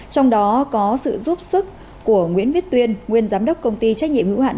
trong đó có sự giúp sức của nguyễn viết tuyên nguyên giám đốc công ty trách nhiệm hữu hạn